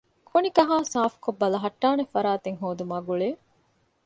ކުނިކަހައި ސާފުކޮށް ބަލަހައްޓާނެ ފަރާތެއް ހޯދުމާ ގުޅޭ